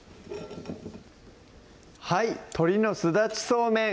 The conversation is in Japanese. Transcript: はい「鶏のすだちそうめん」